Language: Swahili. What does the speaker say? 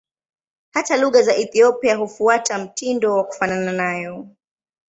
Hata lugha za Ethiopia hufuata mtindo wa kufanana nayo.